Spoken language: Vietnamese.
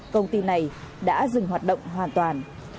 công ty này đã dừng hoạt động hoàn toàn